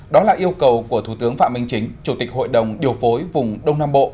đó là yêu cầu của thủ tướng phạm minh chính chủ tịch hội đồng điều phối vùng đông nam bộ